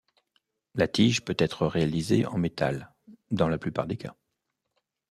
La tige peut être réalisée en métal dans la plupart des cas.